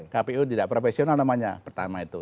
kpu tidak profesional namanya